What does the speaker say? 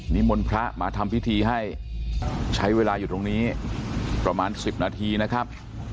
มนต์พระมาทำพิธีให้ใช้เวลาอยู่ตรงนี้ประมาณ๑๐นาทีนะครับ